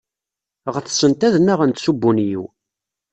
Ɣetsent ad nnaɣent s ubunyiw.